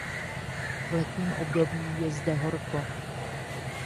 V letním období je zde horko.